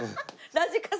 ラジカセ。